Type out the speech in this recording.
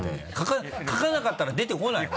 書かなかったら出てこないの？